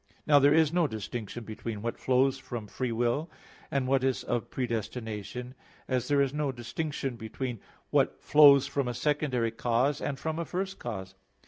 Now there is no distinction between what flows from free will, and what is of predestination; as there is not distinction between what flows from a secondary cause and from a first cause.